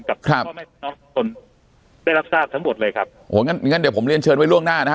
กับคนไม่รับทราบทั้งหมดเลยครับโหงั้นเดี๋ยวผมเรียนเชิญไว้ล่วงหน้านะ